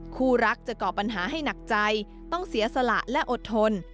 คู่รักจะก่อปัญหาให้หนักใจต้องเสียสละและอดทน